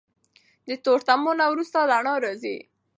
د تورتمونو نه وروسته رڼا راځي.